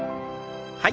はい。